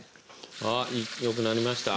あっよくなりました？